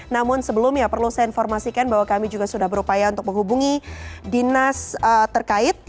namun sebelumnya perlu saya informasikan bahwa kami juga sudah berupaya untuk menghubungi dinas terkait